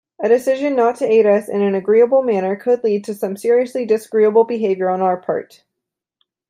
A decision not to aid us in an agreeable manner could lead to some seriously disagreeable behaviour on our part.